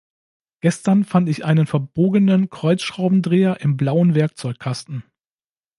Gestern fand ich einen verbogenen Kreuzschraubendreher im blauen Werkzeugkasten.